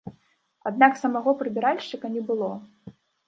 Аднак самога прыбіральшчыка не было.